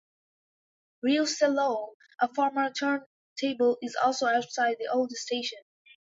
Reus-Salou, a former turntable is also outside the old station.